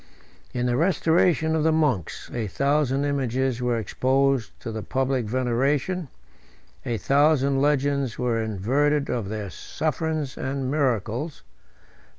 In the restoration of the monks, a thousand images were exposed to the public veneration; a thousand legends were inverted of their sufferings and miracles.